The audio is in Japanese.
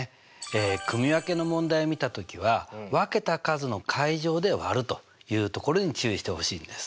組分けの問題を見た時は分けた数の階乗で割るというところに注意してほしいんです。